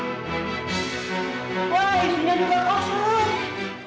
kamu punya muksa